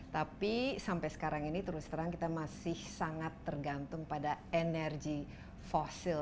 tapi sampai sekarang ini terus terang kita masih sangat tergantung pada energi fosil